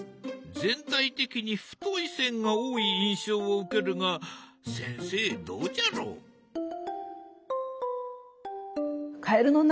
全体的に太い線が多い印象を受けるが先生どうじゃろ？